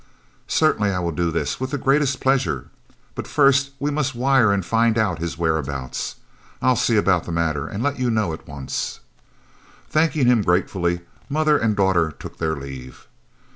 "Certainly; I will do this with the greatest pleasure. But first we must wire and find out his whereabouts. I'll see about the matter and let you know at once." Thanking him gratefully, mother and daughter took their leave.